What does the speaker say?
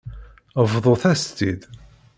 Bḍut-as-tt-id.